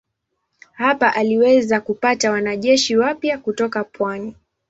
Hapa aliweza kupata wanajeshi wapya kutoka pwani.